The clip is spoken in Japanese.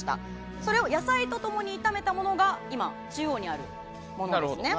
それを野菜と共に炒めたものが今、中央にあるものですね。